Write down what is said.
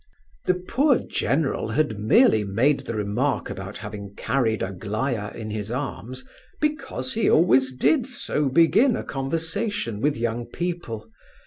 The poor general had merely made the remark about having carried Aglaya in his arms because he always did so begin a conversation with young people.